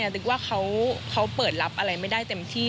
นึกว่าเขาเปิดรับอะไรไม่ได้เต็มที่